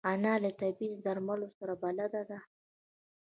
انا له طبیعي درملو سره بلد ده